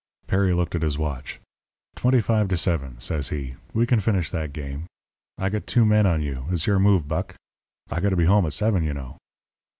"Perry looked at his watch. "'Twenty five to seven,' says he. 'We can finish that game. I got two men on you. It's your move, Buck. I got to be home at seven, you know.'